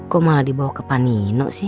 kok malah dibawa ke pan nino sih